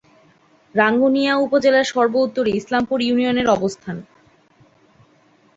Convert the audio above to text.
রাঙ্গুনিয়া উপজেলার সর্ব-উত্তরে ইসলামপুর ইউনিয়নের অবস্থান।